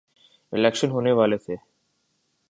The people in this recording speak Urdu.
الیکشن ہونے والے تھے